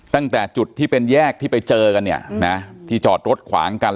ตั้งแต่จุดที่เป็นแยกที่ไปเจอกันเนี่ยนะที่จอดรถขวางกัน